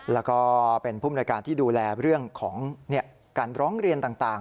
แล้วก็เป็นผู้มนวยการที่ดูแลเรื่องของการร้องเรียนต่าง